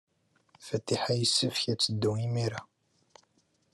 Fatiḥa yessefk ad teddu imir-a.